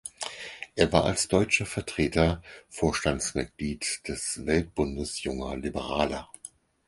Er war als deutscher Vertreter Vorstandsmitglied des Weltbundes Junger Liberaler.